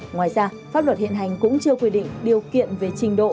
ngoài ra pháp luật hiện hành cũng chưa quy định điều kiện về trình độ